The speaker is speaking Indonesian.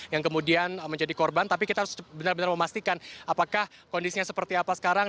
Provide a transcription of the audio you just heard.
yang kemudian menjadi korban tapi kita harus benar benar memastikan apakah kondisinya seperti apa sekarang